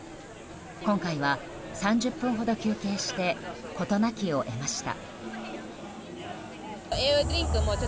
今回は３０分ほど休憩して事なきを得ました。